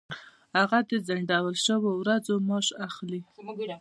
هغه د ځنډول شوو ورځو معاش اخلي.